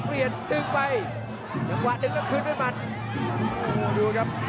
เปลี่ยนทึกไปจำกว่าทึกก็คืนไม่มันโอ้ดูครับ